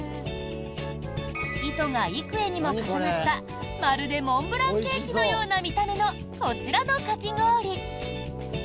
糸が幾重にも重なったまるでモンブランケーキのような見た目の、こちらのかき氷。